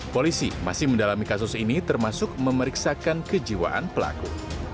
polisi masih mendalami kasus ini termasuk memeriksakan kejiwaan pelaku